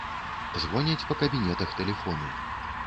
Звоняць па кабінетах тэлефоны.